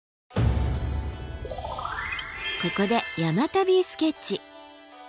ここで「山旅スケッチ」。